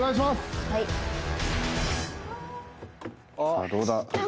さぁどうだ。